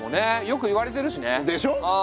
よく言われてるしね。でしょ！